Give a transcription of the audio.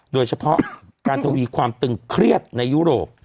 โดยเฉพาะการทวีความตึงเครียดในยุโรป